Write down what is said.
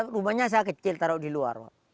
rumahnya saya kecil taruh di luar